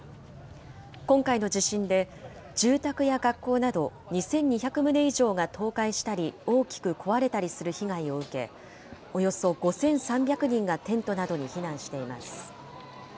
今回の地震で、住宅や学校など２２００棟以上が倒壊したり、大きく壊れたりする被害を受け、およそ５３００人がテントなどに避難しています。